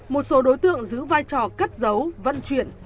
một số đối tượng giữ vai trò cất giấu vận chuyển